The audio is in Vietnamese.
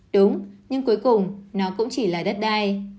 đúng nhưng cuối cùng nó cũng chỉ là đất đai